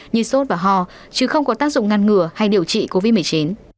như sốt và ho chứ không có tác dụng ngăn ngừa hay điều trị covid một mươi chín